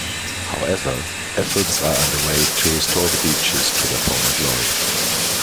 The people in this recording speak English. However efforts are underway to restore the beaches to their former glory.